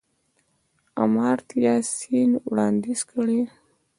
آمارتیا سېن وړانديز کړی.